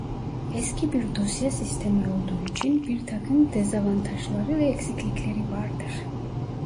Eski bir dosya sistemi olduğu için birtakım dezavantajları ve eksiklikleri vardır.